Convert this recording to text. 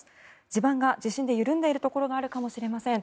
地盤が地震で緩んでいるところがあるかもしれません。